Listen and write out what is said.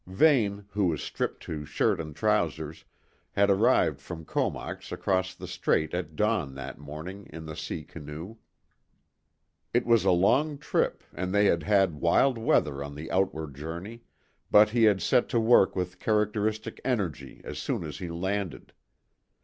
Vane, who was stripped to shirt and trousers, had arrived from Comox across the Strait at dawn that morning in the sea canoe. It was a long trip and they had had wild weather on the outward journey, but he had set to work with characteristic energy as soon as he landed.